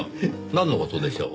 なんの事でしょう？